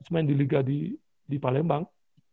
main di liga di palembang